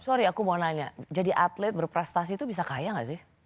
sorry aku mau nanya jadi atlet berprestasi itu bisa kaya gak sih